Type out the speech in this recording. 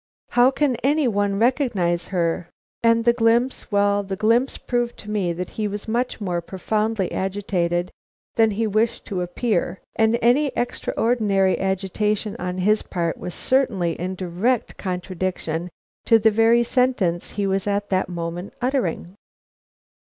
How can any one recognize her " And the glimpse well, the glimpse proved to me that he was much more profoundly agitated than he wished to appear, and any extraordinary agitation on his part was certainly in direct contradiction to the very sentence he was at that moment uttering.